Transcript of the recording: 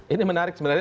ini menarik sebenarnya